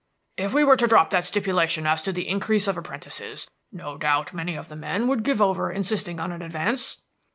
"If we were to drop that stipulation as to the increase of apprentices, no doubt many of the men would give over insisting on an advance."